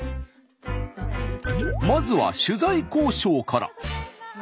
まずは取材交渉から。